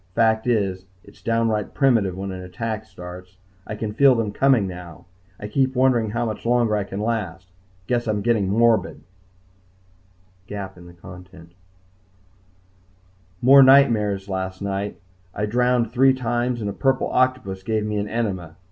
Fact is, it's downright primitive when an attack starts. I can feel them coming now. I keep wondering how much longer I can last. Guess I'm getting morbid.... More nightmares last night. I drowned three times and a purple octopus gave me an enema.